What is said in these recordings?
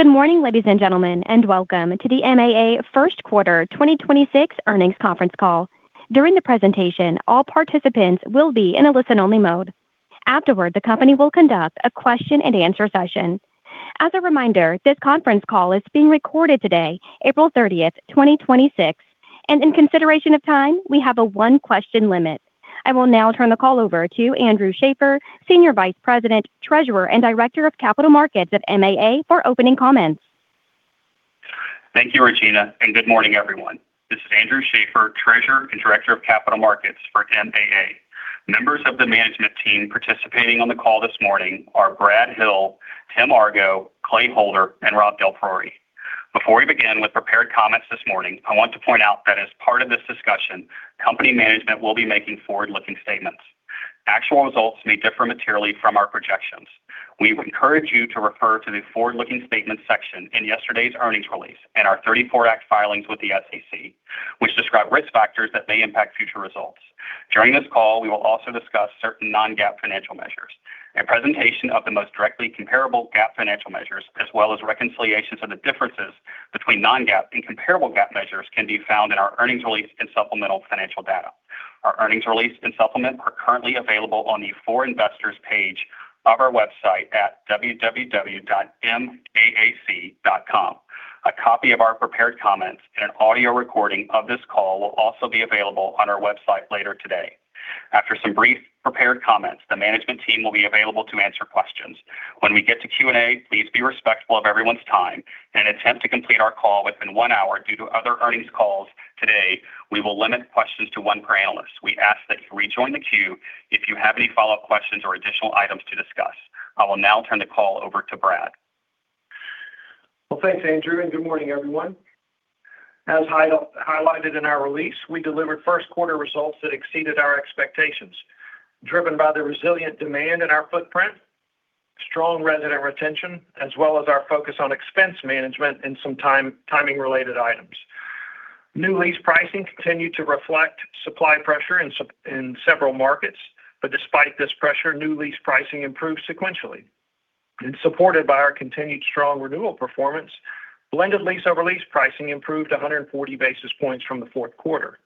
Good morning, ladies and gentlemen, welcome to the MAA first quarter 2026 earnings conference call. During the presentation, all participants will be in a listen-only mode. Afterward, the company will conduct a question and answer session. As a reminder, this conference call is being recorded today, April 30th, 2026. In consideration of time, we have a one-question limit. I will now turn the call over to Andrew Schaeffer, Senior Vice President, Treasurer, and Director of Capital Markets at MAA for opening comments. Thank you, Regina, and good morning, everyone. This is Andrew Schaeffer, Treasurer and Director of Capital Markets for MAA. Members of the management team participating on the call this morning are Brad Hill, Tim Argo, Clay Holder, and Rob DelPriore. Before we begin with prepared comments this morning, I want to point out that as part of this discussion, company management will be making forward-looking statements. Actual results may differ materially from our projections. We encourage you to refer to the forward-looking statements section in yesterday's earnings release and our 34 Act filings with the SEC, which describe risk factors that may impact future results. During this call, we will also discuss certain non-GAAP financial measures. A presentation of the most directly comparable GAAP financial measures as well as reconciliations of the differences between non-GAAP and comparable GAAP measures can be found in our earnings release and supplemental financial data. Our earnings release and supplement are currently available on the For Investors page of our website at www.maac.com. A copy of our prepared comments and an audio recording of this call will also be available on our website later today. After some brief prepared comments, the management team will be available to answer questions. When we get to Q&A, please be respectful of everyone's time. In an attempt to complete our call within one hour due to other earnings calls today, we will limit questions to one per analyst. We ask that you rejoin the queue if you have any follow-up questions or additional items to discuss. I will now turn the call over to Brad. Well, thanks, Andrew. Good morning, everyone. As highlighted in our release, we delivered first quarter results that exceeded our expectations, driven by the resilient demand in our footprint, strong resident retention, as well as our focus on expense management and some timing related items. New lease pricing continued to reflect supply pressure in several markets. Despite this pressure, new lease pricing improved sequentially. Supported by our continued strong renewal performance, blended lease over lease pricing improved 140 basis points from the fourth quarter.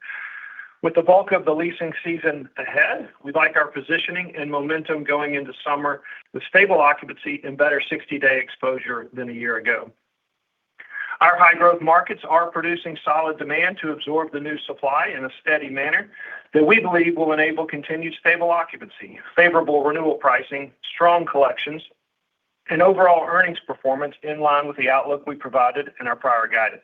With the bulk of the leasing season ahead, we'd like our positioning and momentum going into summer with stable occupancy and better sixty-day exposure than a year ago. Our high-growth markets are producing solid demand to absorb the new supply in a steady manner that we believe will enable continued stable occupancy, favorable renewal pricing, strong collections, and overall earnings performance in line with the outlook we provided in our prior guidance.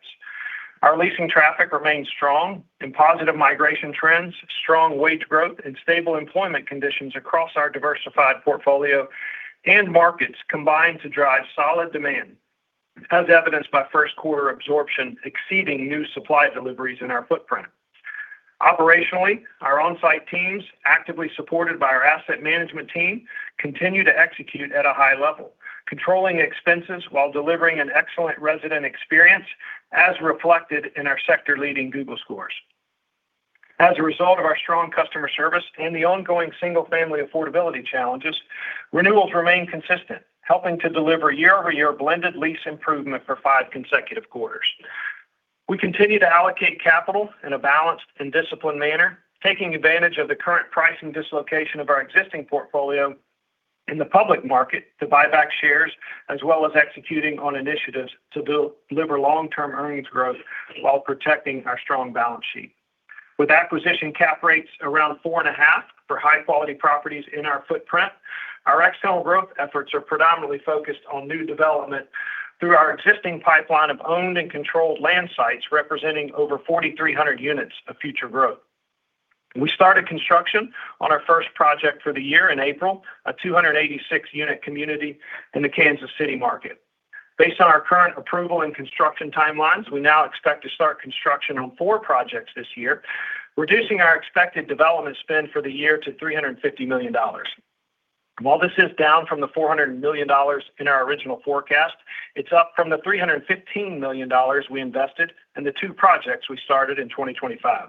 Our leasing traffic remains strong and positive migration trends, strong wage growth, and stable employment conditions across our diversified portfolio and markets combine to drive solid demand, as evidenced by first quarter absorption exceeding new supply deliveries in our footprint. Operationally, our on-site teams, actively supported by our asset management team, continue to execute at a high level, controlling expenses while delivering an excellent resident experience, as reflected in our sector-leading Google scores. As a result of our strong customer service and the ongoing single-family affordability challenges, renewals remain consistent, helping to deliver year-over-year blended lease improvement for five consecutive quarters. We continue to allocate capital in a balanced and disciplined manner, taking advantage of the current pricing dislocation of our existing portfolio in the public market to buy back shares, as well as executing on initiatives to deliver long-term earnings growth while protecting our strong balance sheet. With acquisition cap rates around four and a half for high-quality properties in our footprint, our external growth efforts are predominantly focused on new development through our existing pipeline of owned and controlled land sites representing over 4,300 units of future growth. We started construction on our first project for the year in April, a 286 unit community in the Kansas City market. Based on our current approval and construction timelines, we now expect to start construction on four projects this year, reducing our expected development spend for the year to $350 million. While this is down from the $400 million in our original forecast, it's up from the $315 million we invested in the two projects we started in 2025.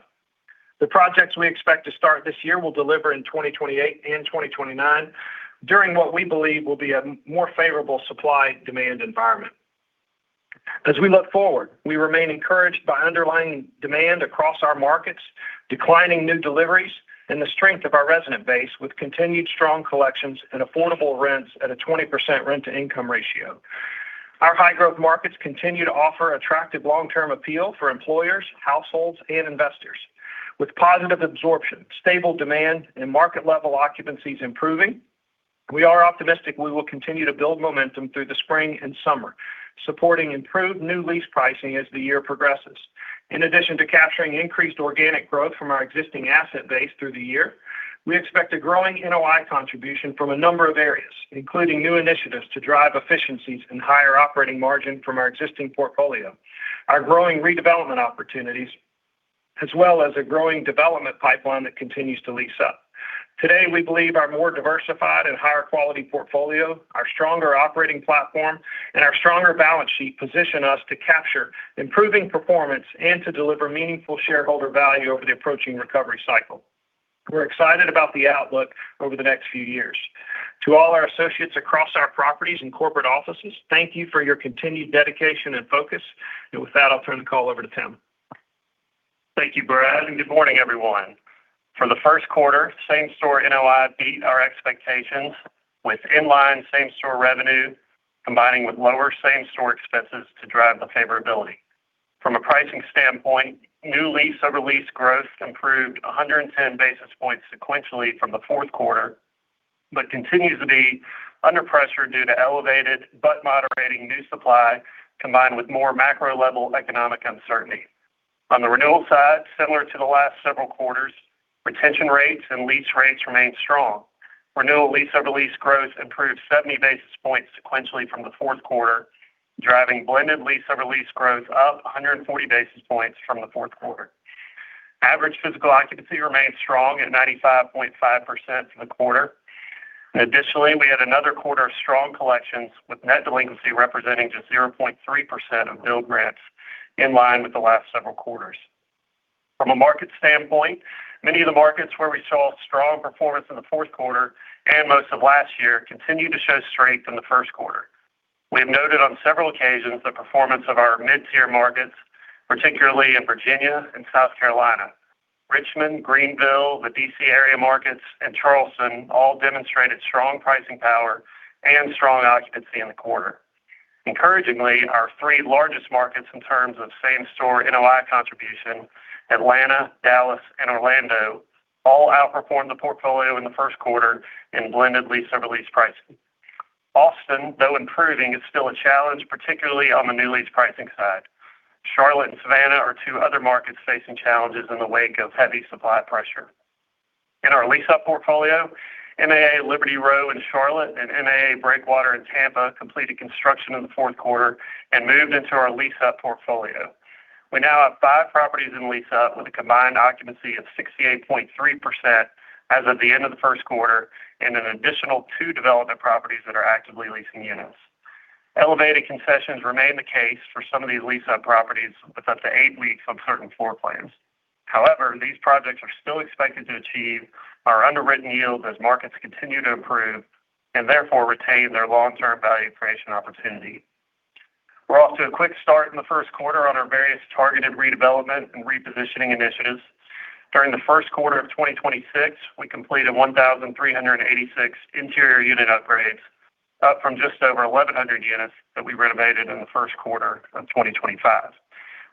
The projects we expect to start this year will deliver in 2028 and 2029 during what we believe will be a more favorable supply-demand environment. As we look forward, we remain encouraged by underlying demand across our markets, declining new deliveries, and the strength of our resident base with continued strong collections and affordable rents at a 20% rent-to-income ratio. Our high-growth markets continue to offer attractive long-term appeal for employers, households, and investors. With positive absorption, stable demand, and market-level occupancies improving, we are optimistic we will continue to build momentum through the spring and summer, supporting improved new lease pricing as the year progresses. In addition to capturing increased organic growth from our existing asset base through the year, we expect a growing NOI contribution from a number of areas, including new initiatives to drive efficiencies and higher operating margin from our existing portfolio, our growing redevelopment opportunities, as well as a growing development pipeline that continues to lease up. Today, we believe our more diversified and higher quality portfolio, our stronger operating platform, and our stronger balance sheet position us to capture improving performance and to deliver meaningful shareholder value over the approaching recovery cycle. We're excited about the outlook over the next few years. To all our associates across our properties and corporate offices, thank you for your continued dedication and focus. With that, I'll turn the call over to Tim. Thank you, Brad, and good morning, everyone. For the first quarter, same-store NOI beat our expectations with inline same-store revenue combining with lower same-store expenses to drive the favorability. From a pricing standpoint, new lease over lease growth improved 110 basis points sequentially from the fourth quarter, but continues to be under pressure due to elevated but moderating new supply, combined with more macro-level economic uncertainty. On the renewal side, similar to the last several quarters, retention rates and lease rates remain strong. Renewal lease over lease growth improved 70 basis points sequentially from the fourth quarter, driving blended lease over lease growth up 140 basis points from the fourth quarter. Average physical occupancy remains strong at 95.5% for the quarter. Additionally, we had another quarter of strong collections, with net delinquency representing just 0.3% of billed rents in line with the last several quarters. From a market standpoint, many of the markets where we saw strong performance in the fourth quarter and most of last year continue to show strength in the first quarter. We have noted on several occasions the performance of our mid-tier markets, particularly in Virginia and South Carolina. Richmond, Greenville, the D.C. area markets, and Charleston all demonstrated strong pricing power and strong occupancy in the quarter. Encouragingly, our three largest markets in terms of same-store NOI contribution, Atlanta, Dallas, and Orlando, all outperformed the portfolio in the first quarter in blended lease over lease pricing. Austin, though improving, is still a challenge, particularly on the new lease pricing side. Charlotte and Savannah are two other markets facing challenges in the wake of heavy supply pressure. In our lease-up portfolio, MAA Liberty Row in Charlotte and MAA Breakwater in Tampa completed construction in the fourth quarter and moved into our lease-up portfolio. We now have five properties in lease-up with a combined occupancy of 68.3% as of the end of the first quarter, and an additional two development properties that are actively leasing units. Elevated concessions remain the case for some of these lease-up properties, with up to eight weeks on certain floor plans. However, these projects are still expected to achieve our underwritten yields as markets continue to improve, and therefore retain their long-term value creation opportunity. We're off to a quick start in the first quarter on our various targeted redevelopment and repositioning initiatives. During the first quarter of 2026, we completed 1,386 interior unit upgrades, up from just over 1,100 units that we renovated in the first quarter of 2025.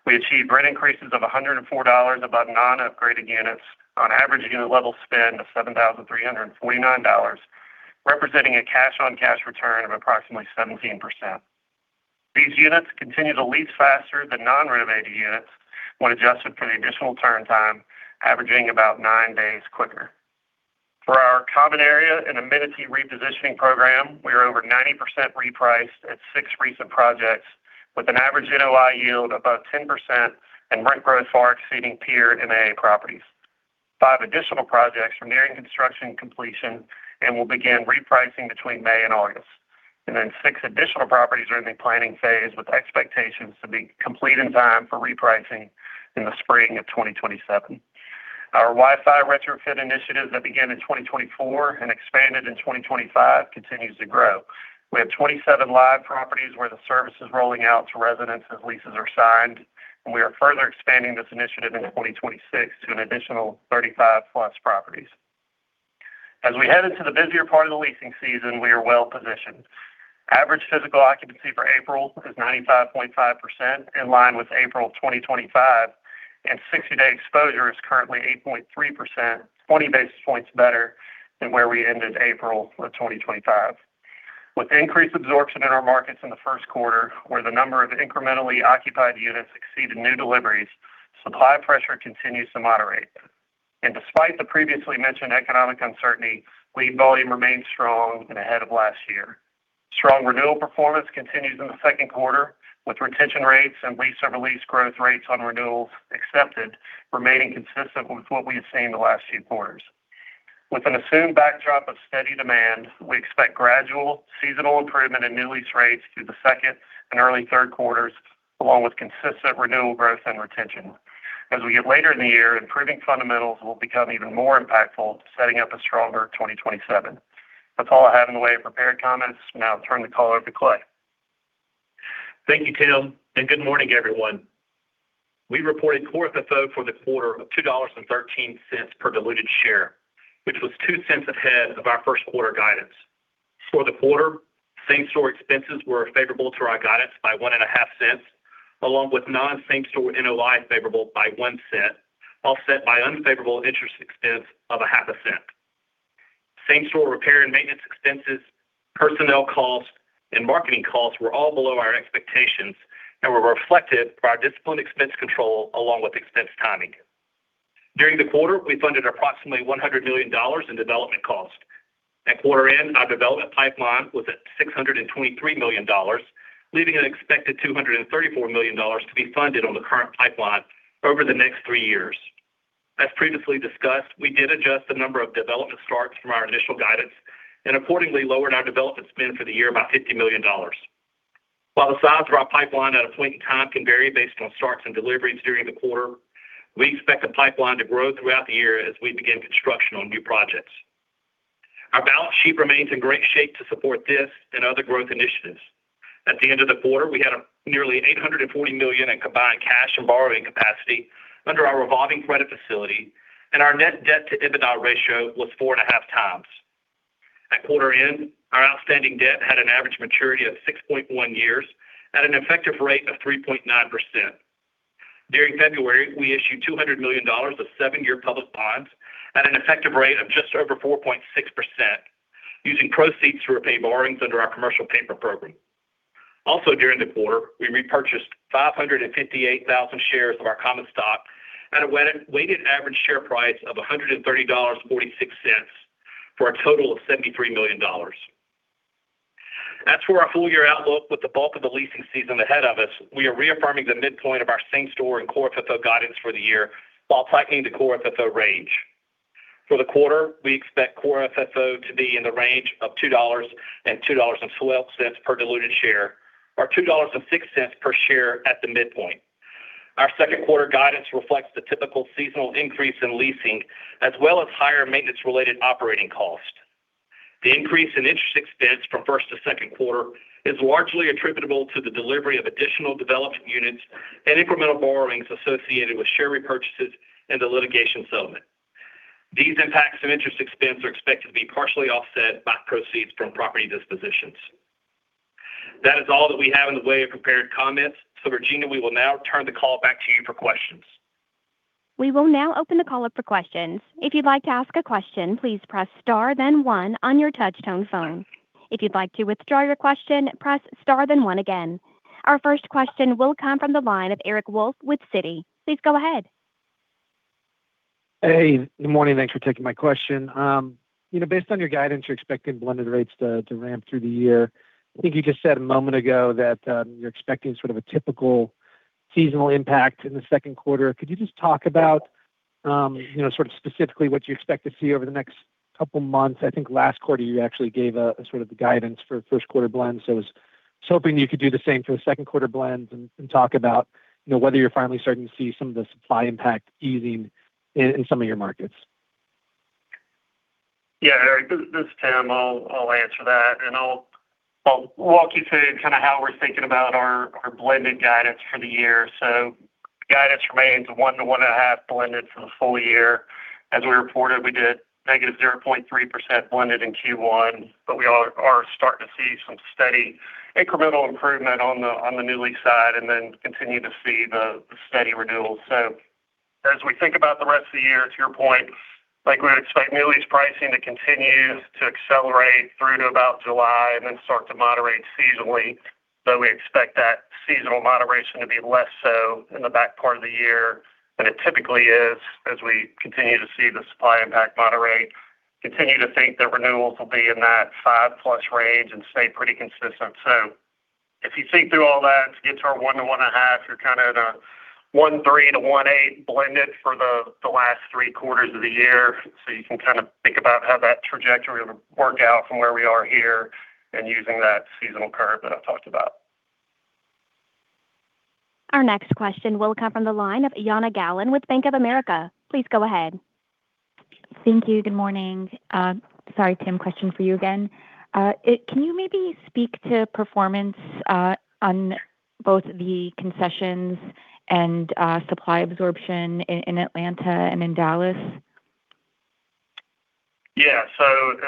We achieved rent increases of $104 above non-upgraded units on average unit level spend of $7,349, representing a cash-on-cash return of approximately 17%. These units continue to lease faster than non-renovated units when adjusted for the additional turn time, averaging about nine days quicker. For our common area and amenity repositioning program, we are over 90% repriced at six recent projects with an average NOI yield above 10% and rent growth far exceeding peer MAA properties. Five additional projects are nearing construction completion and will begin repricing between May and August. Six additional properties are in the planning phase, with expectations to be complete in time for repricing in the spring of 2027. Our Wi-Fi Retrofit Initiative that began in 2024 and expanded in 2025 continues to grow. We have 27 live properties where the service is rolling out to residents as leases are signed, and we are further expanding this initiative in 2026 to an additional 35+ properties. As we head into the busier part of the leasing season, we are well-positioned. Average physical occupancy for April is 95.5%, in line with April 2025, and 60-day exposure is currently 8.3%, 20 basis points better than where we ended April of 2025. With increased absorption in our markets in the first quarter, where the number of incrementally occupied units exceeded new deliveries, supply pressure continues to moderate. Despite the previously mentioned economic uncertainty, lead volume remains strong and ahead of last year. Strong renewal performance continues in the second quarter, with retention rates and lease over lease growth rates on renewals accepted remaining consistent with what we have seen the last few quarters. With an assumed backdrop of steady demand, we expect gradual seasonal improvement in new lease rates through the second and early third quarters, along with consistent renewal growth and retention. As we get later in the year, improving fundamentals will become even more impactful, setting up a stronger 2027. That's all I have in the way of prepared comments. Now I'll turn the call over to Clay. Thank you, Tim, and good morning, everyone. We reported core FFO for the quarter of $2.13 per diluted share, which was $0.02 ahead of our first quarter guidance. For the quarter, same-store expenses were favorable to our guidance by $0.015, along with non-same-store NOI favorable by $0.01, offset by unfavorable interest expense of $0.005. Same-store repair and maintenance expenses, personnel costs, and marketing costs were all below our expectations and were reflected by our disciplined expense control along with expense timing. During the quarter, we funded approximately $100 million in development costs. At quarter end, our development pipeline was at $623 million, leaving an expected $234 million to be funded on the current pipeline over the next three years. As previously discussed, we did adjust the number of development starts from our initial guidance and accordingly lowered our development spend for the year by $50 million. While the size of our pipeline at a point in time can vary based on starts and deliveries during the quarter, we expect the pipeline to grow throughout the year as we begin construction on new projects. Our balance sheet remains in great shape to support this and other growth initiatives. At the end of the quarter, we had a nearly $840 million in combined cash and borrowing capacity under our revolving credit facility, and our net debt to EBITDA ratio was 4.5x. At quarter end, our outstanding debt had an average maturity of 6.1 years at an effective rate of 3.9%. During February, we issued $200 million of 7-year public bonds at an effective rate of just over 4.6%, using proceeds to repay borrowings under our commercial paper program. During the quarter, we repurchased 558,000 shares of our common stock at a weighted average share price of $130.46 for a total of $73 million. As for our full year outlook with the bulk of the leasing season ahead of us, we are reaffirming the midpoint of our same-store and core FFO guidance for the year while tightening the core FFO range. For the quarter, we expect core FFO to be in the range of $2.02-$2.12 per diluted share, or $2.06 per share at the midpoint. Our second quarter guidance reflects the typical seasonal increase in leasing as well as higher maintenance related operating costs. The increase in interest expense from first to second quarter is largely attributable to the delivery of additional development units and incremental borrowings associated with share repurchases and the litigation settlement. These impacts and interest expense are expected to be partially offset by proceeds from property dispositions. That is all that we have in the way of prepared comments. Regina, we will now turn the call back to you for questions. We will now open the call up for questions. If you'd like to ask a question, please press star then one on your touch tone phone. If you'd like to withdraw your question, press star then one again. Our first question will come from the line of Eric Wolfe with Citi. Please go ahead. Hey, good morning. Thanks for taking my question. You know, based on your guidance, you're expecting blended rates to ramp through the year. I think you just said a moment ago that you're expecting sort of a typical seasonal impact in the second quarter. Could you just talk about, you know, sort of specifically what you expect to see over the next couple months? I think last quarter you actually gave a sort of the guidance for first quarter blends. I was hoping you could do the same for the second quarter blends and talk about, you know, whether you're finally starting to see some of the supply impact easing in some of your markets. Yeah. Eric, this is Tim. I'll answer that, and I'll walk you through kind of how we're thinking about our blended guidance for the year. Guidance remains 1%-1.5% blended for the full year. As we reported, we did -0.3% blended in Q1, we are starting to see some steady incremental improvement on the new lease side and then continue to see the steady renewal. As we think about the rest of the year, to your point, like we would expect new lease pricing to continue to accelerate through to about July and then start to moderate seasonally, though we expect that seasonal moderation to be less so in the back part of the year than it typically is as we continue to see the supply impact moderate. Continue to think that renewals will be in that 5%+ range and stay pretty consistent. If you think through all that to get to our 1%-1.5%, you're kind at a 1.3%-1.8% blended for the last three quarters of the year. You can kind of think about how that trajectory will work out from where we are here and using that seasonal curve that I talked about. Our next question will come from the line of Jana Galan with Bank of America. Please go ahead. Thank you. Good morning. Sorry, Tim, question for you again. Can you maybe speak to performance on both the concessions and supply absorption in Atlanta and in Dallas?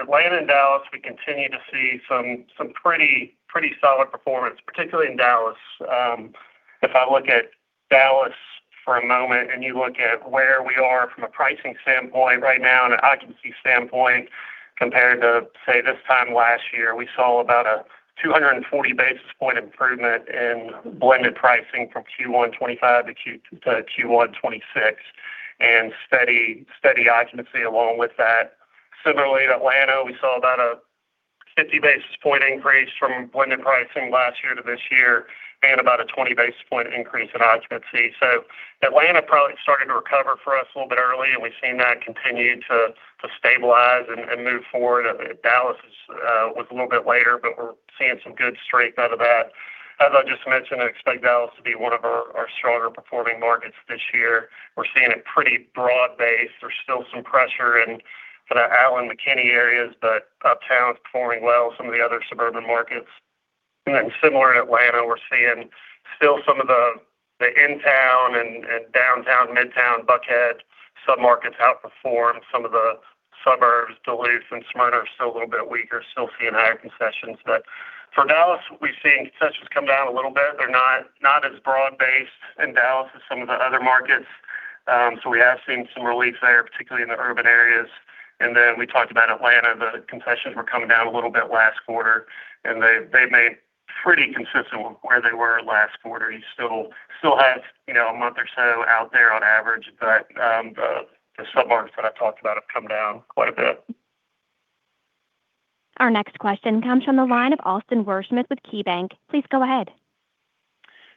Atlanta and Dallas, we continue to see some pretty solid performance, particularly in Dallas. If I look at Dallas for a moment, you look at where we are from a pricing standpoint right now and an occupancy standpoint compared to, say, this time last year, we saw about a 240 basis points improvement in blended pricing from Q1 2025 to Q1 2026, and steady occupancy along with that. Similarly, in Atlanta, we saw about a 50 basis points increase from blended pricing last year to this year and about a 20 basis points increase in occupancy. Atlanta probably started to recover for us a little bit early, and we've seen that continue to stabilize and move forward. Dallas was a little bit later, we're seeing some good strength out of that. As I just mentioned, I expect Dallas to be one of our stronger performing markets this year. We're seeing it pretty broad-based. There's still some pressure in the Allen/McKinney areas, but uptown is performing well, some of the other suburban markets. Similar in Atlanta, we're seeing still some of the in-town and downtown, midtown, Buckhead submarkets outperform some of the suburbs. Duluth and Smyrna are still a little bit weaker, still seeing higher concessions. For Dallas, we've seen concessions come down a little bit. They're not as broad-based in Dallas as some of the other markets. We have seen some relief there, particularly in the urban areas. We talked about Atlanta. The concessions were coming down a little bit last quarter, and they remain pretty consistent with where they were last quarter. You still have, you know, a month or so out there on average, but the submarkets that I talked about have come down quite a bit. Our next question comes from the line of Austin Wurschmidt with KeyBanc. Please go ahead.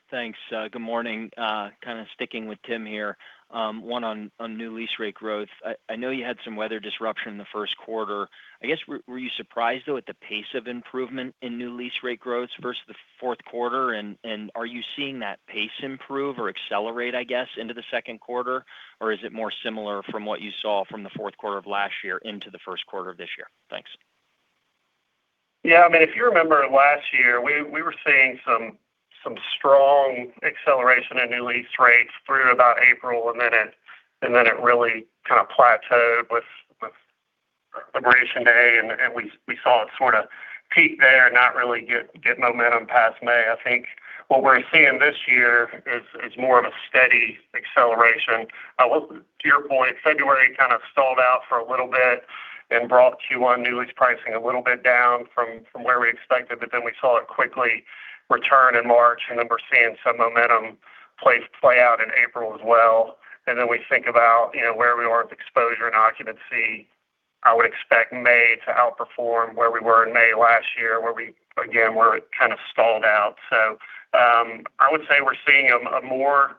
Thanks. Good morning. Kind of sticking with Tim here. One on new lease rate growth. I know you had some weather disruption in the first quarter. I guess, were you surprised though at the pace of improvement in new lease rate growth versus the fourth quarter? Are you seeing that pace improve or accelerate, I guess, into the second quarter? Is it more similar from what you saw from the fourth quarter of last year into the first quarter of this year? Thanks. Yeah. I mean, if you remember last year, we were seeing some strong acceleration in new lease rates through about April, and then it really kind of plateaued with Labor Day, and we saw it sort of peak there and not really get momentum past May. I think what we're seeing this year is more of a steady acceleration. Well, to your point, February kind of stalled out for a little bit and brought Q1 new lease pricing a little bit down from where we expected, but then we saw it quickly return in March, and then we're seeing some momentum play out in April as well. We think about, you know, where we are with exposure and occupancy. I would expect May to outperform where we were in May last year. Where it kind of stalled out. I would say we're seeing a more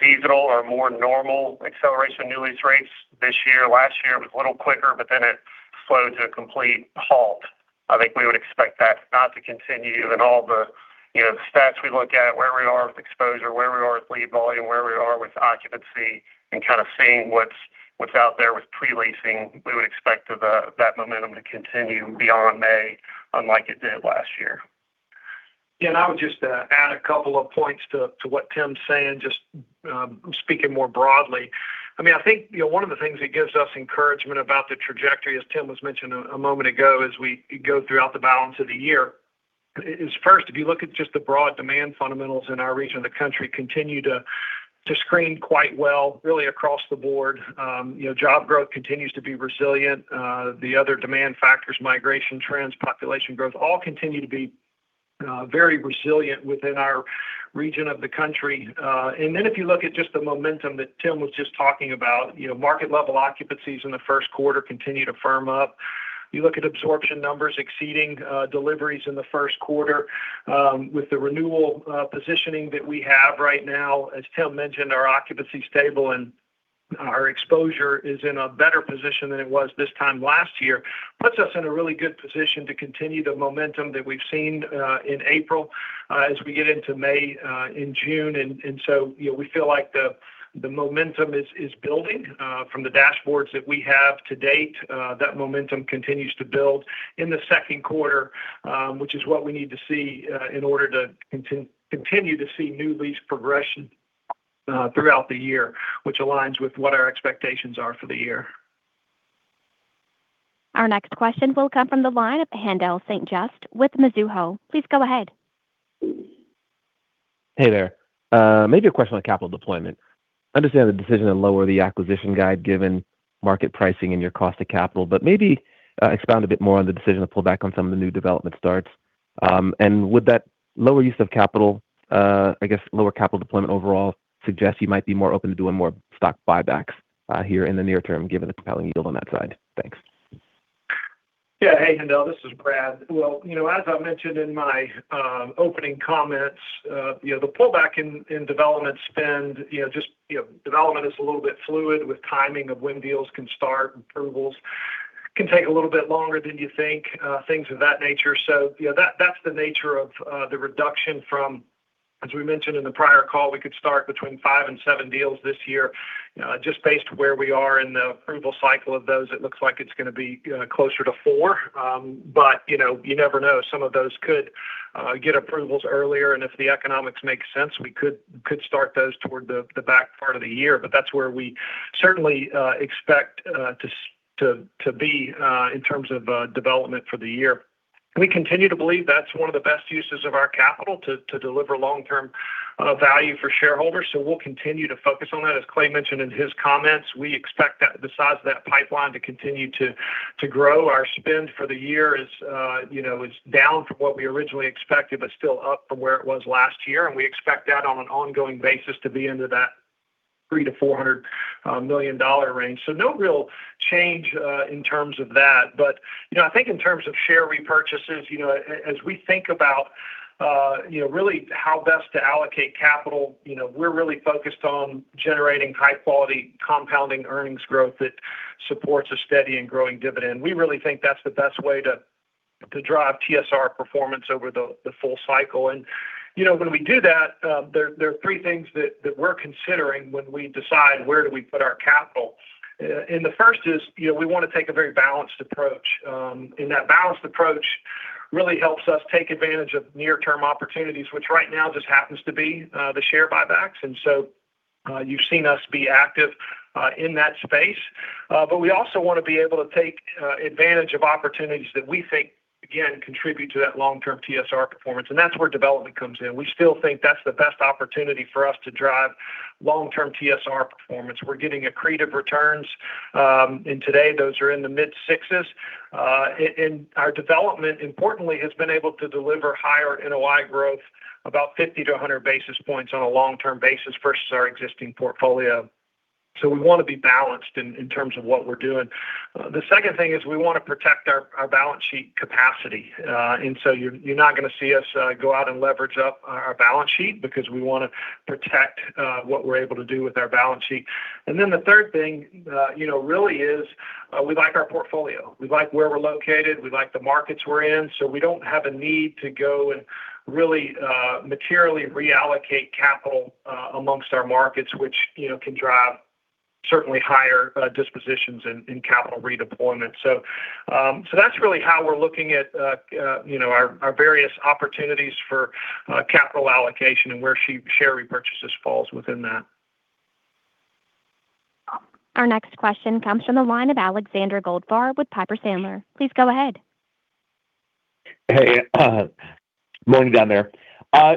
seasonal or more normal acceleration of new lease rates this year. Last year it was a little quicker, but then it slowed to a complete halt. I think we would expect that not to continue. All the, you know, the stats we look at, where we are with exposure, where we are with lead volume, where we are with occupancy, and kind of seeing what's out there with pre-leasing, we would expect the that momentum to continue beyond May, unlike it did last year. Yeah, I would just add a couple of points to what Tim's saying, just speaking more broadly. You know, one of the things that gives us encouragement about the trajectory, as Tim was mentioning a moment ago, as we go throughout the balance of the year, is first, if you look at just the broad demand fundamentals in our region of the country continue to screen quite well really across the board. You know, job growth continues to be resilient. The other demand factors, migration trends, population growth, all continue to be very resilient within our region of the country. If you look at just the momentum that Tim was just talking about, you know, market level occupancies in the first quarter continue to firm up. You look at absorption numbers exceeding deliveries in the first quarter. With the renewal positioning that we have right now, as Tim mentioned, our occupancy stable and our exposure is in a better position than it was this time last year, puts us in a really good position to continue the momentum that we've seen in April as we get into May and June. You know, we feel like the momentum is building. From the dashboards that we have to date, that momentum continues to build in the second quarter, which is what we need to see in order to continue to see new lease progression throughout the year, which aligns with what our expectations are for the year. Our next question will come from the line of Haendel St. Juste with Mizuho. Please go ahead. Hey there. Maybe a question on capital deployment. Understand the decision to lower the acquisition guide given market pricing and your cost of capital, maybe expound a bit more on the decision to pull back on some of the new development starts. Would that lower use of capital, I guess lower capital deployment overall suggest you might be more open to doing more stock buybacks here in the near term given the compelling yield on that side? Thanks. Yeah. Hey, Haendel, this is Brad. You know, as I mentioned in my opening comments, you know, the pullback in development spend, you know, just, you know, development is a little bit fluid with timing of when deals can start. Approvals can take a little bit longer than you think, things of that nature. You know, that's the nature of the reduction from, as we mentioned in the prior call, we could start between five and seven deals this year. Just based where we are in the approval cycle of those, it looks like it's gonna be closer to four. You know, you never know. Some of those could get approvals earlier, and if the economics make sense, we could start those toward the back part of the year. That's where we certainly expect to be in terms of development for the year. We continue to believe that's one of the best uses of our capital to deliver long-term value for shareholders, so we'll continue to focus on that. As Clay mentioned in his comments, we expect the size of that pipeline to continue to grow. Our spend for the year is, you know, is down from what we originally expected, but still up from where it was last year, and we expect that on an ongoing basis to be into that $300 million-$400 million range. No real change in terms of that. You know, I think in terms of share repurchases, you know, as we think about, you know, really how best to allocate capital, you know, we're really focused on generating high quality compounding earnings growth that supports a steady and growing dividend. We really think that's the best way to drive TSR performance over the full cycle. You know, when we do that, there are three things that we're considering when we decide where do we put our capital. The first is, you know, we want to take a very balanced approach. That balanced approach really helps us take advantage of near-term opportunities, which right now just happens to be the share buybacks. You've seen us be active in that space. We also want to be able to take advantage of opportunities that we think, again, contribute to that long-term TSR performance, and that's where development comes in. We still think that's the best opportunity for us to drive long-term TSR performance. We're getting accretive returns, and today those are in the mid-sixes. Our development importantly has been able to deliver higher NOI growth, about 50-100 basis points on a long-term basis versus our existing portfolio. We wanna be balanced in terms of what we're doing. The second thing is we wanna protect our balance sheet capacity. You're not gonna see us go out and leverage up our balance sheet because we wanna protect what we're able to do with our balance sheet. The third thing, you know, really is, we like our portfolio. We like where we're located, we like the markets we're in, so we don't have a need to go and really materially reallocate capital amongst our markets, which, you know, can drive certainly higher dispositions in capital redeployment. That's really how we're looking at, you know, our various opportunities for capital allocation and where share repurchases falls within that. Our next question comes from the line of Alexander Goldfarb with Piper Sandler. Please go ahead. Hey. Morning down there.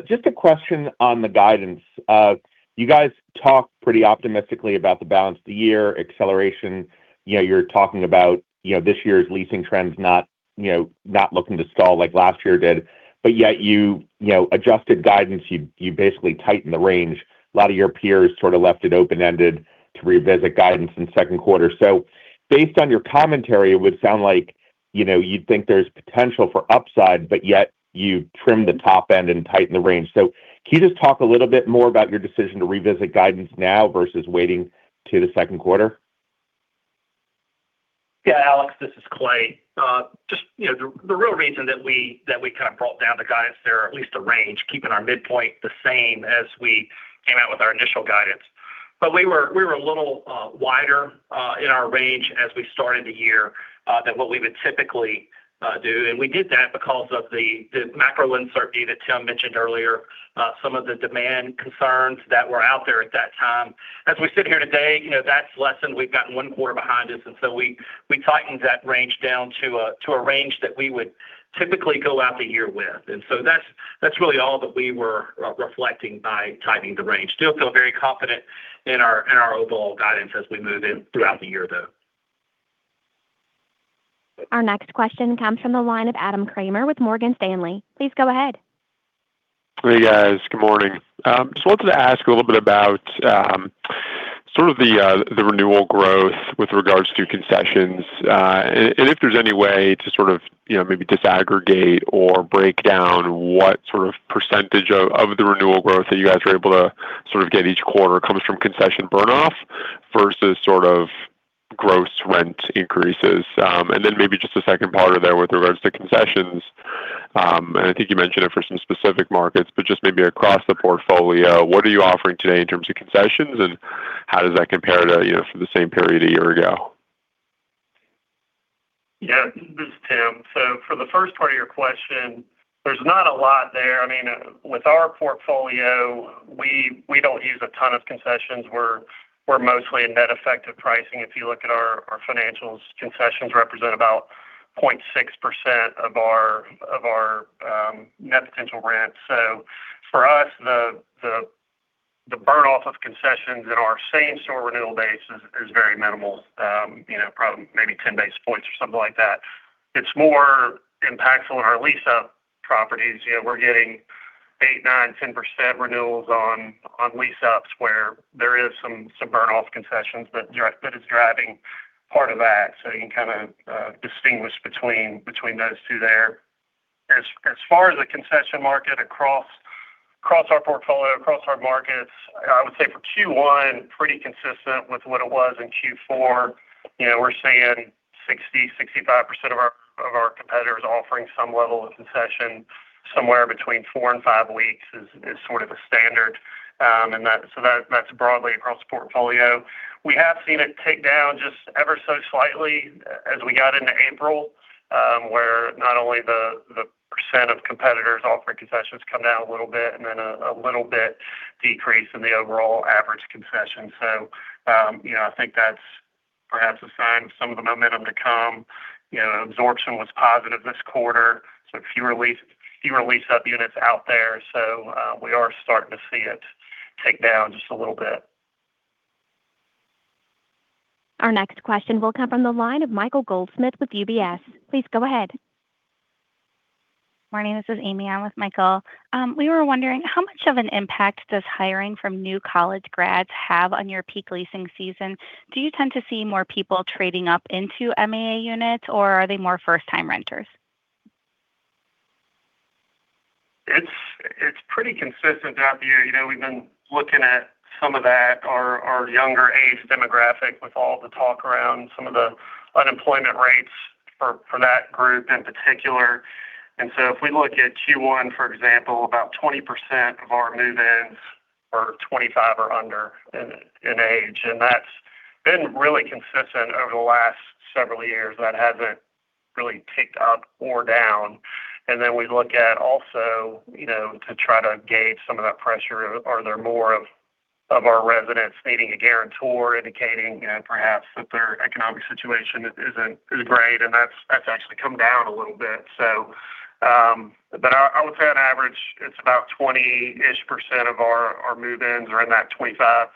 Just a question on the guidance. You guys talk pretty optimistically about the balance of the year, acceleration. You know, you're talking about, you know, this year's leasing trends, not, you know, not looking to stall like last year did. Yet you know, adjusted guidance. You, you basically tightened the range. A lot of your peers sort of left it open-ended to revisit guidance in the second quarter. Based on your commentary, it would sound like, you know, you'd think there's potential for upside, but yet you trimmed the top end and tightened the range. Can you just talk a little bit more about your decision to revisit guidance now versus waiting to the second quarter? Yeah, Alex, this is Clay. Just, you know, the real reason that we kind of brought down the guidance there, at least the range, keeping our midpoint the same as we came out with our initial guidance. We were a little wider in our range as we started the year than what we would typically do. We did that because of the macro uncertainty that Tim mentioned earlier, some of the demand concerns that were out there at that time. As we sit here today, you know, that's lessened. We've gotten one quarter behind us, so we tightened that range down to a range that we would typically go out the year with. That's really all that we were reflecting by tightening the range. Still feel very confident in our, in our overall guidance as we move in throughout the year, though. Our next question comes from the line of Adam Kramer with Morgan Stanley. Please go ahead. Hey, guys. Good morning. Just wanted to ask a little bit about sort of the renewal growth with regards to concessions. If there's any way to sort of, you know, maybe disaggregate or break down what sort of percentage of the renewal growth that you guys are able to sort of get each quarter comes from concession burn-off versus sort of gross rent increases. Maybe just a second part of that with regards to concessions. I think you mentioned it for some specific markets, but just maybe across the portfolio, what are you offering today in terms of concessions, and how does that compare to, you know, for the same period a year ago? This is Tim. For the first part of your question, there's not a lot there. I mean, with our portfolio, we don't use a ton of concessions. We're mostly a net effect of pricing. If you look at our financials, concessions represent about 0.6% of our net potential rent. For us, the burn-off of concessions in our same store renewal base is very minimal. You know, probably maybe 10 basis points or something like that. It's more impactful in our lease-up properties. You know, we're getting 8%, 9%, 10% renewals on lease-ups where there is some burn-off concessions that is driving part of that. You can kind of distinguish between those two there. As far as the concession market across our portfolio, across our markets, I would say for Q1, pretty consistent with what it was in Q4. You know, we're seeing 60%-65% of our competitors offering some level of concession. Somewhere between four and five weeks is sort of the standard. That's broadly across the portfolio. We have seen it tick down just ever so slightly as we got into April, where not only the percent of competitors offering concessions come down a little bit and then a little bit decrease in the overall average concession. You know, I think that's perhaps a sign of some of the momentum to come. You know, absorption was positive this quarter, fewer lease-up units out there. We are starting to see it tick down just a little bit. Our next question will come from the line of Michael Goldsmith with UBS. Please go ahead. Morning, this is Amy. I'm with Michael. We were wondering, how much of an impact does hiring from new college grads have on your peak leasing season? Do you tend to see more people trading up into MAA units, or are they more first-time renters? It's pretty consistent out there. You know, we've been looking at some of that, our younger age demographic with all the talk around some of the unemployment rates for that group in particular. If we look at Q1, for example, about 20% of our move-ins are 25 or under in age, and that's been really consistent over the last several years. That hasn't really ticked up or down. We look at also, you know, to try to gauge some of that pressure, are there more of our residents needing a guarantor, indicating, you know, perhaps that their economic situation isn't as great? That's actually come down a little bit. I would say on average, it's about 20-ish percent of our move-ins are in that 25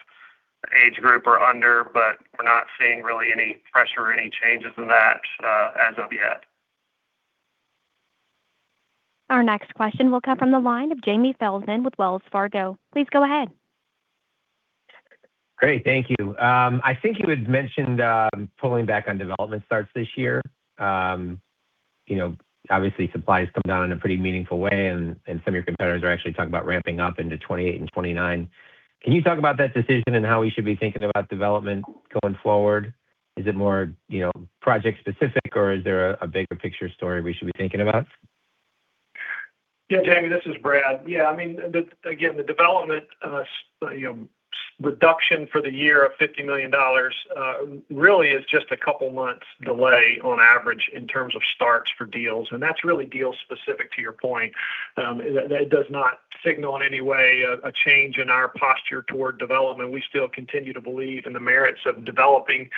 age group or under, but we're not seeing really any pressure or any changes in that as of yet. Our next question will come from the line of Jamie Feldman with Wells Fargo. Please go ahead. Great. Thank you. I think you had mentioned pulling back on development starts this year. you know, obviously supply has come down in a pretty meaningful way, and some of your competitors are actually talking about ramping up into 2028 and 2029. Can you talk about that decision and how we should be thinking about development going forward? Is it more, you know, project specific, or is there a bigger picture story we should be thinking about? Yeah, Jamie, this is Brad. I mean, the, again, the development reduction for the year of $50 million really is just a couple months delay on average in terms of starts for deals, and that's really deal specific to your point. That does not signal in any way a change in our posture toward development. We still continue to believe in the merits of developing,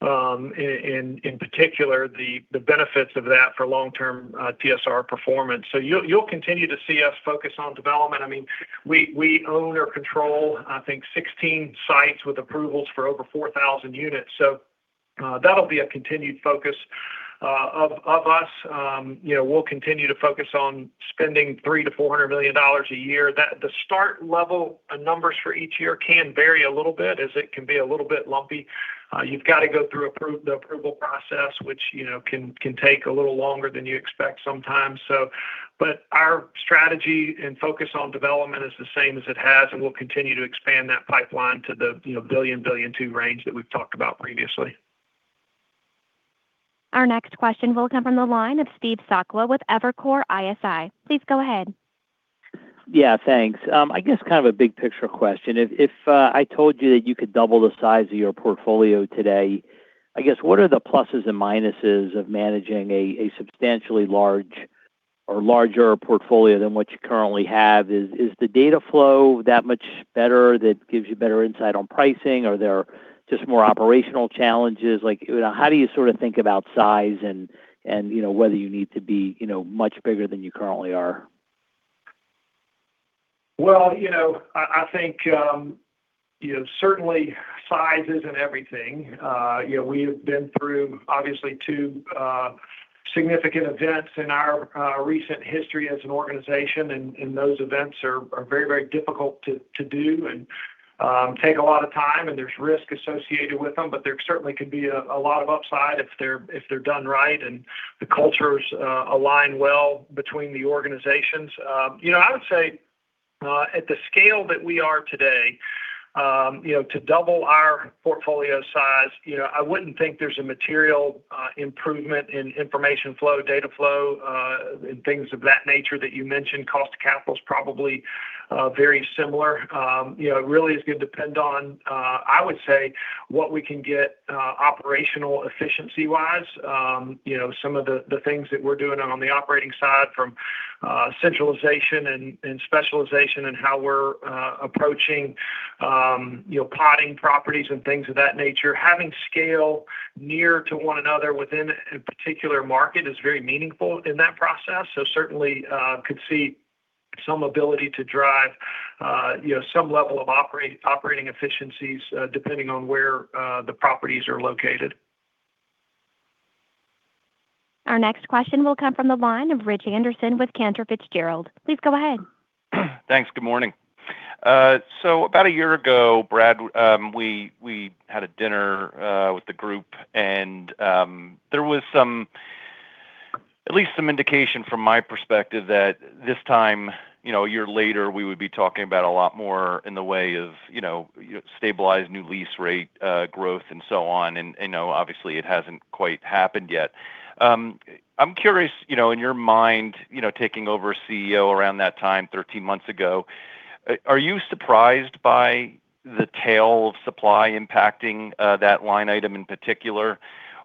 in particular the benefits of that for long-term TSR performance. You'll continue to see us focus on development. I mean, we own or control, I think 16 sites with approvals for over 4,000 units. That'll be a continued focus of us. We'll continue to focus on spending $300 million-$400 million a year. The start level numbers for each year can vary a little bit as it can be a little bit lumpy. You've got to go through the approval process, which, you know, can take a little longer than you expect sometimes. Our strategy and focus on development is the same as it has, and we'll continue to expand that pipeline to the, you know, $1 billion-$1.2 billion range that we've talked about previously. Our next question will come from the line of Steve Sakwa with Evercore ISI. Please go ahead. Yeah, thanks. I guess kind of a big picture question. If I told you that you could double the size of your portfolio today, I guess what are the pluses and minuses of managing a substantially large or larger portfolio than what you currently have? Is the data flow that much better that gives you better insight on pricing, or are there just more operational challenges? Like, you know, how do you sort of think about size and, you know, whether you need to be, you know, much bigger than you currently are? Well, you know, I think, you know, certainly size isn't everything. You know, we have been through obviously two significant events in our recent history as an organization, and those events are very, very difficult to do and take a lot of time, and there's risk associated with them. There certainly could be a lot of upside if they're done right and the cultures align well between the organizations. You know, I would say, at the scale that we are today, you know, to double our portfolio size, you know, I wouldn't think there's a material improvement in information flow, data flow, and things of that nature that you mentioned. Cost to capital is probably very similar. You know, it really is gonna depend on, I would say, what we can get, operational efficiency-wise. You know, some of the things that we're doing on the operating side from centralization and specialization and how we're approaching, you know, plottage properties and things of that nature. Having scale near to one another within a particular market is very meaningful in that process. Certainly, could see some ability to drive, you know, some level of operating efficiencies, depending on where the properties are located. Our next question will come from the line of Rich Anderson with Cantor Fitzgerald. Please go ahead. Thanks. Good morning. About a year ago, Brad, we had a dinner with the group and there was some, at least some indication from my perspective that this time, you know, a year later, we would be talking about a lot more in the way of, you know, stabilized new lease rate growth and so on. You know, obviously it hasn't quite happened yet. I'm curious, you know, in your mind, you know, taking over CEO around that time, 13 months ago, are you surprised by the tail of supply impacting that line item in particular?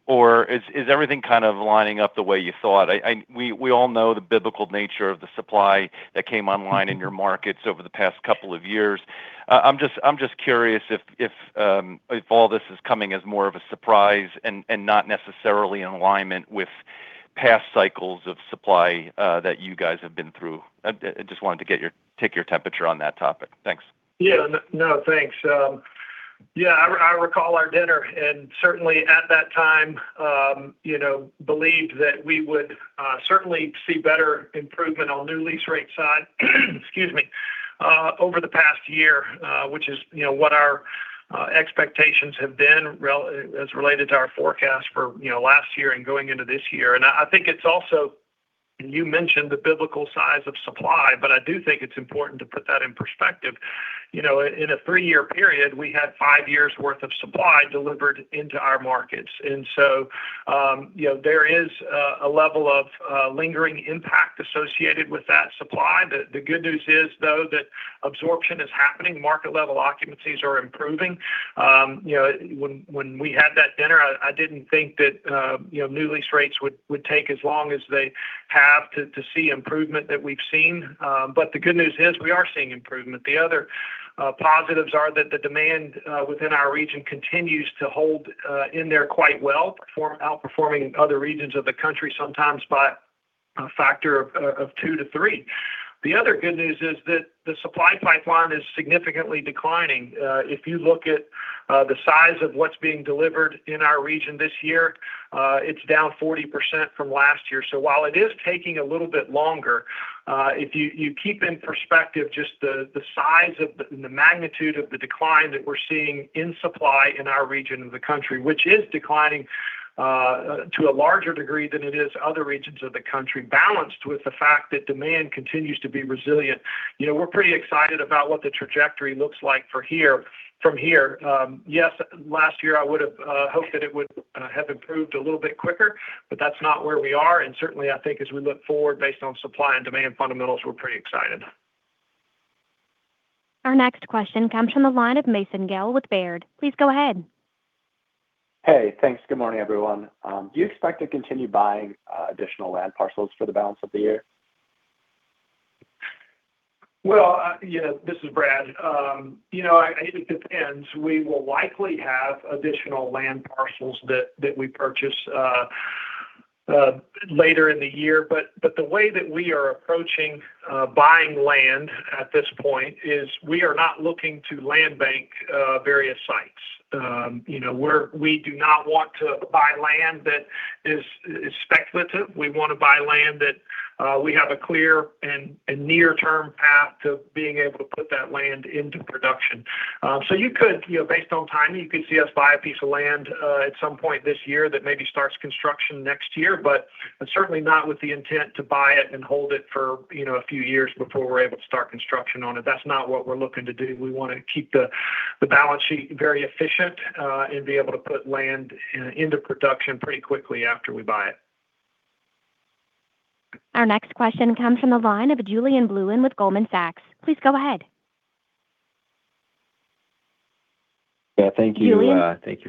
Or is everything kind of lining up the way you thought? We all know the biblical nature of the supply that came online in your markets over the past couple of years. I'm just curious if all this is coming as more of a surprise and not necessarily in alignment with past cycles of supply that you guys have been through. I just wanted to take your temperature on that topic. Thanks. Yeah. No, thanks. Yeah, I recall our dinner, and certainly at that time, you know, believed that we would certainly see better improvement on new lease rate side, excuse me, over the past year, which is, you know, what our expectations have been as related to our forecast for, you know, last year and going into this year. I think it's also, you mentioned the biblical size of supply, but I do think it's important to put that in perspective. You know, in a three-year period, we had five years worth of supply delivered into our markets. You know, there is a level of lingering impact associated with that supply. The good news is, though, that absorption is happening. Market level occupancies are improving. You know, when we had that dinner, I didn't think that, you know, new lease rates would take as long as they have to see improvement that we've seen. The good news is we are seeing improvement. The other positives are that the demand within our region continues to hold in there quite well, outperforming other regions of the country, sometimes by a factor of two to three. The other good news is that the supply pipeline is significantly declining. If you look at the size of what's being delivered in our region this year, it's down 40% from last year. While it is taking a little bit longer, if you keep in perspective just the magnitude of the decline that we're seeing in supply in our region of the country, which is declining to a larger degree than it is other regions of the country, balanced with the fact that demand continues to be resilient. You know, we're pretty excited about what the trajectory looks like from here. Yes, last year, I would have hoped that it would have improved a little bit quicker, but that's not where we are. Certainly, I think as we look forward based on supply and demand fundamentals, we're pretty excited. Our next question comes from the line of Mason Guell with Baird. Please go ahead. Hey, thanks. Good morning, everyone. Do you expect to continue buying additional land parcels for the balance of the year? This is Brad. It depends. We will likely have additional land parcels that we purchase later in the year. The way that we are approaching buying land at this point is we are not looking to land bank various sites. We do not want to buy land that is speculative. We want to buy land that we have a clear and near-term path to being able to put that land into production. You could, based on timing, you could see us buy a piece of land at some point this year that maybe starts construction next year, but certainly not with the intent to buy it and hold it for a few years before we're able to start construction on it. That's not what we're looking to do. We wanna keep the balance sheet very efficient, be able to put land into production pretty quickly after we buy it. Our next question comes from the line of Julien Blouin with Goldman Sachs. Please go ahead. Yeah. Thank you. Julien? Thank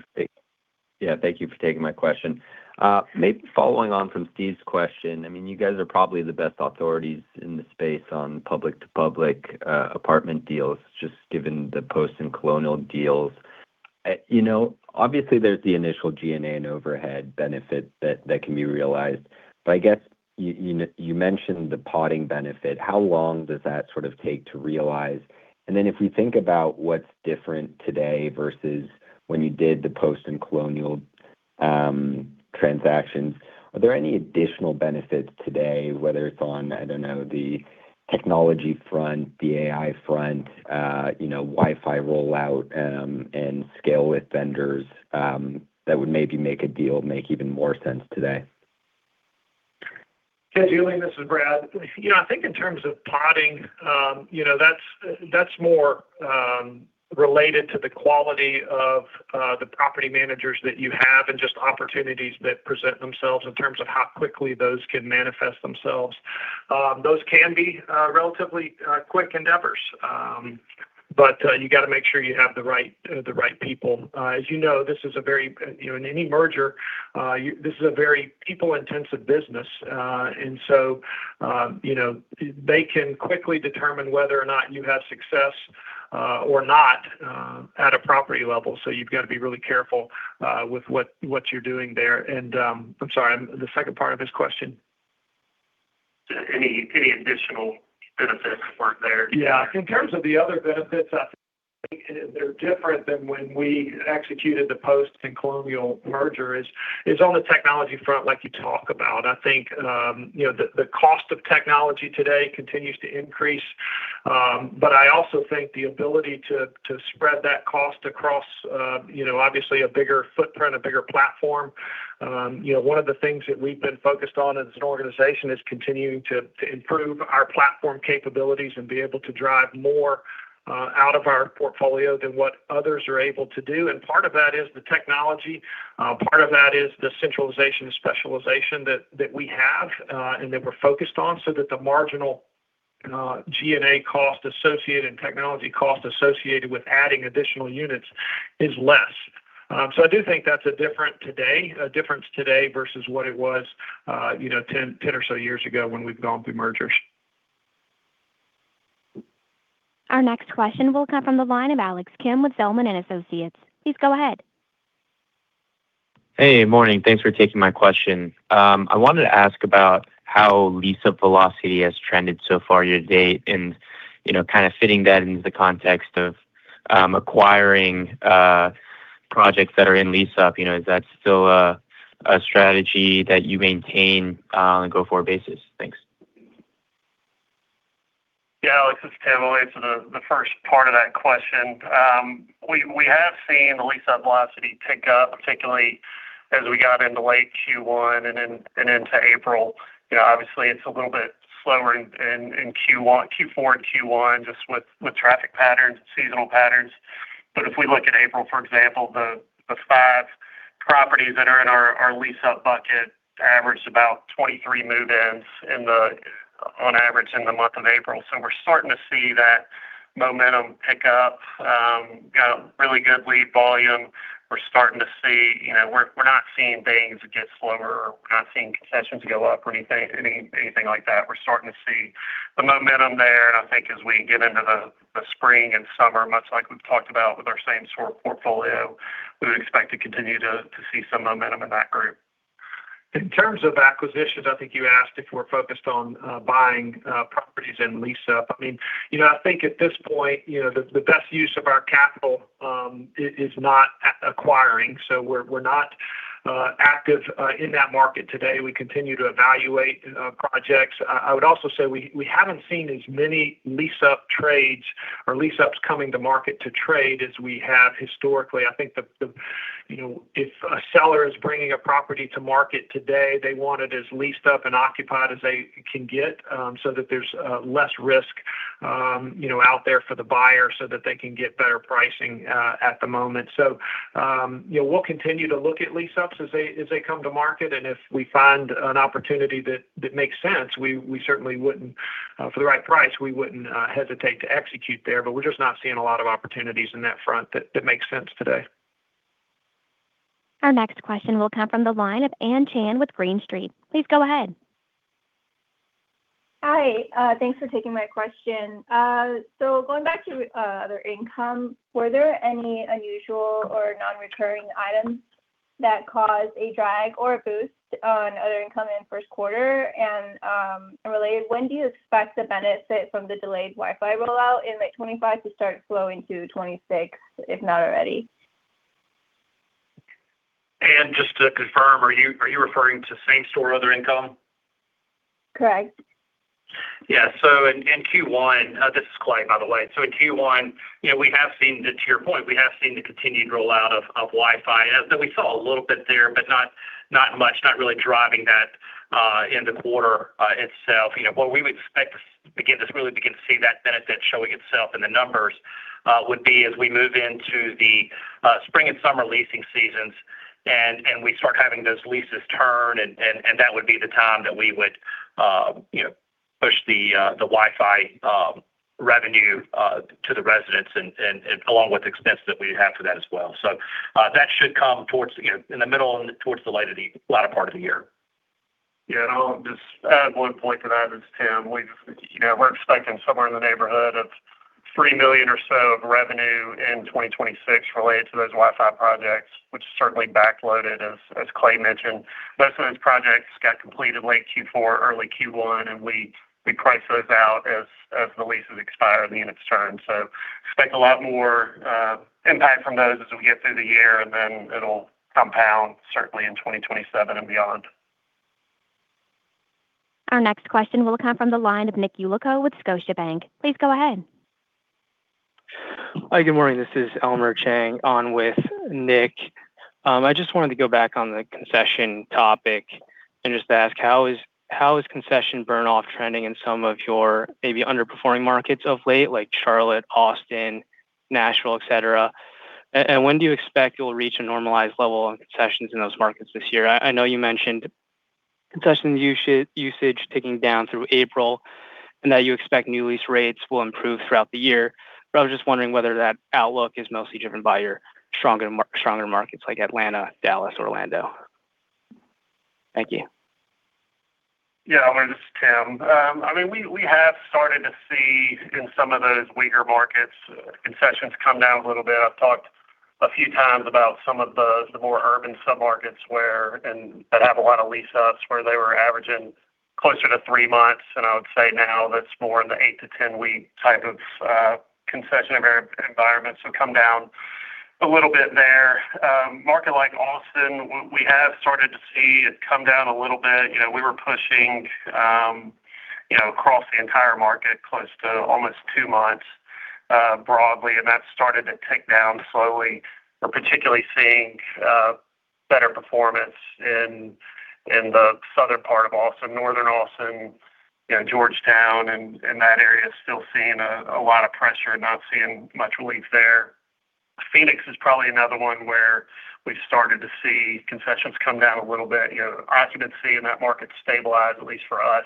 you for taking my question. Following on from Steve's question, I mean, you guys are probably the best authorities in the space on public-to-public apartment deals, just given the Post and Colonial deals. You know, obviously, there's the initial G&A and overhead benefit that can be realized. I guess you mentioned the plottage benefit. How long does that sort of take to realize? If we think about what's different today versus when you did the Post and Colonial transactions, are there any additional benefits today, whether it's on, I don't know, the technology front, the AI front, you know, Wi-Fi rollout, and scale with vendors, that would maybe make a deal make even more sense today? Yeah, Julien, this is Brad. You know, I think in terms of plotting, you know, that's more related to the quality of the property managers that you have and just opportunities that present themselves in terms of how quickly those can manifest themselves. Those can be relatively quick endeavors, but you got to make sure you have the right the right people. As you know, this is a very people-intensive business. You know, they can quickly determine whether or not you have success or not at a property level. You've got to be really careful with what you're doing there. I'm sorry, the second part of this question. Any additional benefits weren't there? Yeah. In terms of the other benefits, I think they're different than when we executed the Post and Colonial merger is on the technology front like you talk about. I think, you know, the cost of technology today continues to increase. But I also think the ability to spread that cost across, you know, obviously a bigger footprint, a bigger platform. You know, one of the things that we've been focused on as an organization is continuing to improve our platform capabilities and be able to drive more out of our portfolio than what others are able to do. Part of that is the technology, part of that is the centralization and specialization that we have, and that we're focused on so that the marginal G&A cost associated and technology cost associated with adding additional units is less. I do think that's a difference today versus what it was, you know, 10 or so years ago when we've gone through mergers. Our next question will come from the line of Alex Kim with Zelman & Associates. Please go ahead. Hey, morning. Thanks for taking my question. I wanted to ask about how lease-up velocity has trended so far year-to-date and, you know, kind of fitting that into the context of acquiring projects that are in lease-up. You know, is that still a strategy that you maintain on a go-forward basis? Thanks. Alex, this is Tim. I'll answer the first part of that question. We have seen the lease-up velocity pick up, particularly as we got into late Q1 and into April. You know, obviously, it's a little bit slower in Q4 and Q1 just with traffic patterns and seasonal patterns. If we look at April, for example, the five properties that are in our lease-up bucket averaged about 23 move-ins on average in the month of April. We're starting to see that momentum pick up. Got a really good lead volume. We're starting to see. You know, we're not seeing things get slower. We're not seeing concessions go up or anything like that. We're starting to see the momentum there. I think as we get into the spring and summer, much like we've talked about with our same sort of portfolio, we would expect to continue to see some momentum in that group. In terms of acquisitions, I think you asked if we're focused on buying properties and lease-up. I mean, you know, I think at this point, you know, the best use of our capital is not acquiring. We're not active in that market today. We continue to evaluate projects. I would also say we haven't seen as many lease-up trades or lease-ups coming to market to trade as we have historically. I think you know, if a seller is bringing a property to market today, they want it as leased up and occupied as they can get, so that there's less risk, you know, out there for the buyer so that they can get better pricing at the moment. You know, we'll continue to look at lease-ups as they come to market, and if we find an opportunity that makes sense, we certainly wouldn't for the right price, we wouldn't hesitate to execute there. We're just not seeing a lot of opportunities in that front that makes sense today. Our next question will come from the line of Anne Chan with Green Street. Please go ahead. Hi, thanks for taking my question. Going back to other income, were there any unusual or non-recurring items that caused a drag or a boost on other income in first quarter? Related, when do you expect the benefit from the delayed Wi-Fi rollout in late 2025 to start flowing through 2026, if not already? Anne, just to confirm, are you referring to same-store other income? Correct. Yeah. In Q1. This is Clay, by the way. In Q1, you know, to your point, we have seen the continued rollout of Wi-Fi. We saw a little bit there, but not much, not really driving that in the quarter itself. You know, what we would expect to really begin to see that benefit showing itself in the numbers would be as we move into the spring and summer leasing seasons and we start having those leases turn, and that would be the time that we would, you know, push the Wi-Fi revenue to the residents and along with expense that we have for that as well. That should come towards the, you know, in the middle and towards the latter part of the year. Yeah. I'll just add one point to that as Tim. We've, you know, we're expecting somewhere in the neighborhood of $3 million or so of revenue in 2026 related to those Wi-Fi projects, which is certainly backloaded as Clay mentioned. Most of those projects got completed late Q4, early Q1. We price those out as the leases expire, the units turn. Expect a lot more impact from those as we get through the year. It'll compound certainly in 2027 and beyond. Our next question will come from the line of Nicholas Yulico with Scotiabank. Please go ahead. Hi. Good morning. This is Elmer Chang on with Nick. I just wanted to go back on the concession topic and just ask, how is concession burn-off trending in some of your maybe underperforming markets of late, like Charlotte, Austin, Nashville, etc? When do you expect you'll reach a normalized level on concessions in those markets this year? I know you mentioned concession usage ticking down through April. Now you expect new lease rates will improve throughout the year. I was just wondering whether that outlook is mostly driven by your stronger markets like Atlanta, Dallas, Orlando. Thank you. Yeah. Elmer, this is Tim. I mean, we have started to see in some of those weaker markets, concessions come down a little bit. I've talked a few times about some of the more urban submarkets where, and that have a lot of lease-ups where they were averaging closer to three months, and I would say now that's more in the eight-10 week type of concession environment. Come down a little bit there. Market like Austin, we have started to see it come down a little bit. You know, we were pushing, you know, across the entire market, close to almost two months, broadly, and that's started to tick down slowly. We're particularly seeing better performance in the southern part of Austin. Northern Austin, you know, Georgetown and that area is still seeing a lot of pressure, not seeing much relief there. Phoenix is probably another one where we've started to see concessions come down a little bit. You know, occupancy in that market stabilized, at least for us,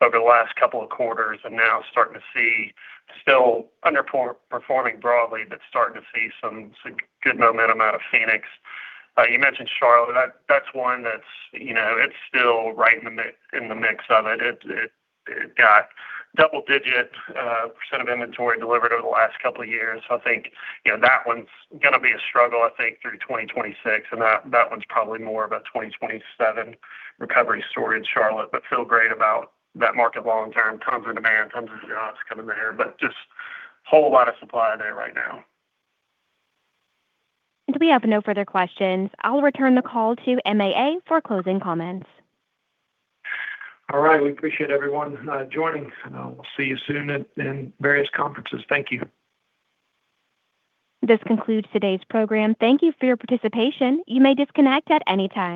over the last couple of quarters, and now starting to see still underperforming broadly, but starting to see some good momentum out of Phoenix. You mentioned Charlotte. That's one that's, you know, it's still right in the mix of it. It got double-digit percent of inventory delivered over the last couple of years. I think, you know, that one's gonna be a struggle, I think, through 2026, and that one's probably more of a 2027 recovery story in Charlotte. Feel great about that market long term. Tons of demand, tons of jobs coming there, but just whole lot of supply there right now. We have no further questions. I'll return the call to MAA for closing comments. All right. We appreciate everyone joining, and we'll see you soon in various conferences. Thank you. This concludes today's program. Thank you for your participation. You may disconnect at any time.